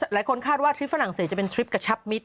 หลายคนคาดว่าทริปฝรั่งเศสจะเป็นทริปกระชับมิตร